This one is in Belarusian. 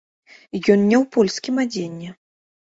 Ён не ў польскім адзенні.